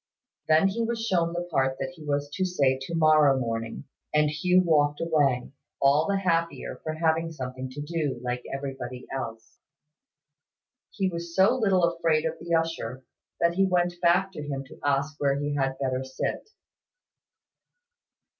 Then he was shown the part that he was to say to morrow morning; and Hugh walked away, all the happier for having something to do, like everybody else. He was so little afraid of the usher, that he went back to him to ask where he had better sit.